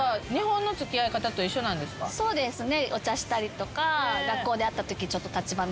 そうですね。